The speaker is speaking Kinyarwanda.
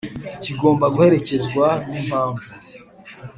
kigomba guherekezwa n impamvu